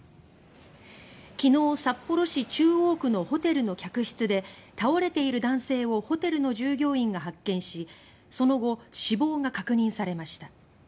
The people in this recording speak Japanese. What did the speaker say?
昨日札幌市中央区のホテルの客室で倒れている男性をホテルの従業員が発見しその後、死亡が確認されました。